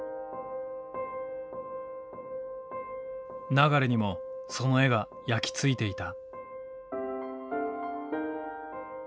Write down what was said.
流にもその絵が焼き付いていた。